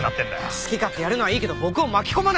好き勝手やるのはいいけど僕を巻き込まないでください。